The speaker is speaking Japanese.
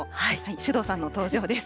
首藤さんの登場です。